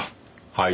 はい？